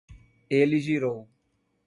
Ele girou